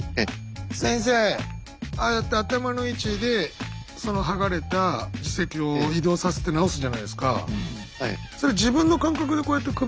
先生ああやって頭の位置でその剥がれた耳石を移動させて治すじゃないですか。